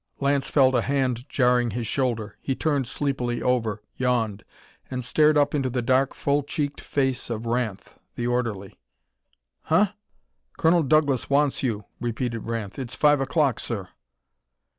Lance felt a hand jarring his shoulder; he turned sleepily over, yawned, and stared up into the dark, full cheeked face of Ranth, the orderly. "Huh?" "Colonel Douglas wants you," repeated Ranth. "It's five o'clock, sir."